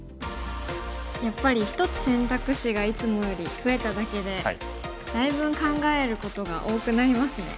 やっぱり１つ選択肢がいつもより増えただけでだいぶん考えることが多くなりますね。